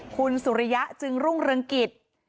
คุณสุริยะจึงรุ่งเรืองกิจ